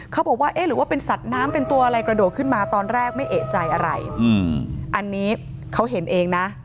เขาบอกว่าเอ๊ะหรือว่าเป็นสัตว์น้ำเป็นตัวอะไรกระโดดขึ้นมาตอนแรกไม่เอกใจอะไรอันนี้เขาเห็นเองนะ